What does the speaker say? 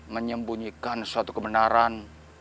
menyembunyikan suatu kebenaran